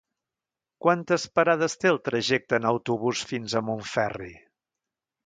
Quantes parades té el trajecte en autobús fins a Montferri?